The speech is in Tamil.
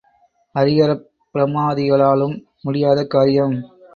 அரிகரப் பிரம்மாதிகளாலும் முடியாத காரியம்.